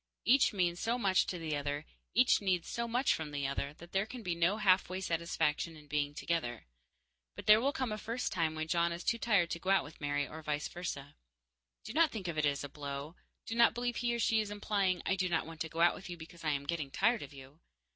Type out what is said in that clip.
Each means so much to the other, each needs so much from the other, that there can be no halfway satisfaction in being together. But there will come a first time when John is too tired to go out with Mary, or vice versa. Do not think of it as a blow; do not believe he or she is implying "I do not want to go out with you because I am getting tired of you."